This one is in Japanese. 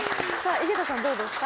井桁さんどうですか？